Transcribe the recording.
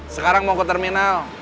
sekarang mau ke terminal